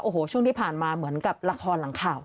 โอ้โหช่วงที่ผ่านมาเหมือนกับละครหลังข่าว